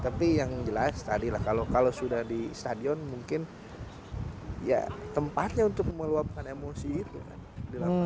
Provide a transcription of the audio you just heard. tapi yang jelas tadi lah kalau sudah di stadion mungkin ya tempatnya untuk meluapkan emosi itu kan